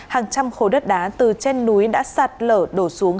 hàng trăm khối đất đá từ trên núi đã sạt lở đổ xuống